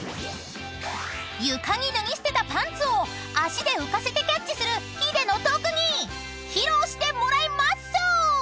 ［床に脱ぎ捨てたパンツを足で浮かせてキャッチするヒデの特技披露してもらいます！］